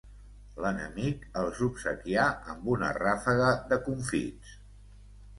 L'enemic els obsequià amb una ràfega de confits.